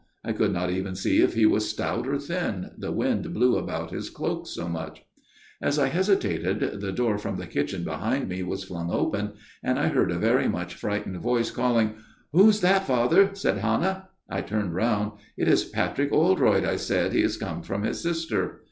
I could not even see if he was stout or thin, the wind blew about his cloak so much. " As I hesitated, the door from the kitchen behind me was flung open, and I heard a very much frightened voice calling :"' Who's that, Father ?' said Hannah. " I turned round. "' It is Patrick Oldroyd/ I said. ' He is come from his sister.'